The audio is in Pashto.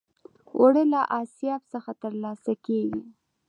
اوړه له آسیاب څخه ترلاسه کېږي